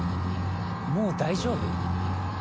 もう大丈夫？